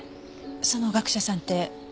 その学者さんって？